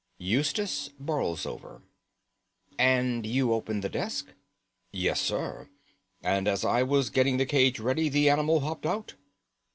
Eustace Borlsover." "And you opened the desk?" "Yes, sir; and as I was getting the cage ready the animal hopped out."